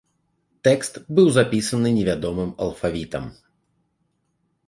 Тэкст быў запісаны невядомым алфавітам.